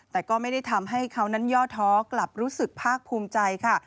แต่ก็ไม่ได้ทำให้เขานั้นย่อท้อกลับรู้สึกภาคภูมิใจค่ะ